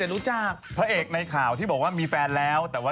เย้เนี่ยเมื่อกี๊อย่างเมื่อกี้ชะเขยะอ่ะ